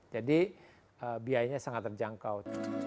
jadi biayanya sangat terjangkau